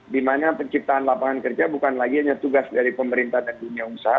dimana penciptaan lapangan kerja bukan lagi hanya tugas dari pemerintah dan dunia usaha